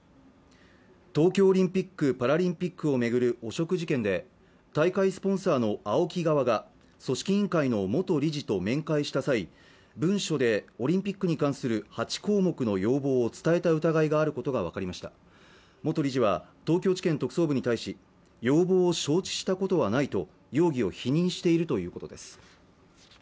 東京オリンピック・パラリンピックを巡る汚職事件で大会スポンサーのＡＯＫＩ側が組織委員会の元理事と面会した際文書でオリンピックに関する８項目の要望を伝えた疑いがあることが分かりました元理事は東京地検特捜部に対し要望を承知したことはないと容疑を否認しているということです